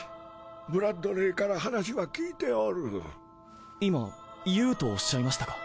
ブラッドレーから話は聞いておる今ＹＯＵとおっしゃいましたか？